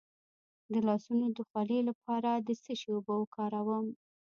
د لاسونو د خولې لپاره د څه شي اوبه وکاروم؟